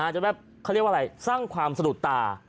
จะแบบเขาเรียกว่าอะไรสร้างความสะดุดตา